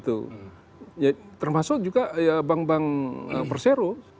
termasuk juga bank bank persero